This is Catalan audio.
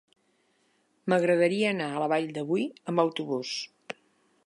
M'agradaria anar a la Vall de Boí amb autobús.